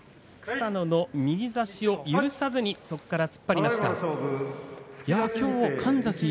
草野の右差しを許さずにそこから突っ張りました。